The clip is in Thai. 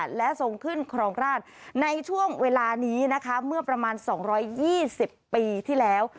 และทรงขึ้นครองราชในช่วงเวลานี้นะคะเมื่อประมาณ๒๒๐ปีที่แล้ว